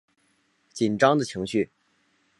紧张的情绪